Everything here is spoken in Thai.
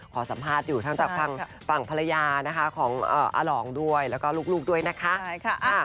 ขอสัมภาษณ์อยู่ทางฝั่งภรรยานะคะของอร่องด้วยแล้วก็ลูกด้วยนะคะนะครับ